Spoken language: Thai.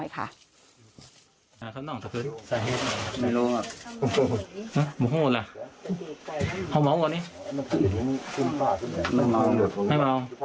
เป้าหม้อกว่านี้